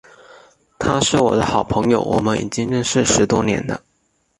他是我的好朋友，我们已经认识十多年了。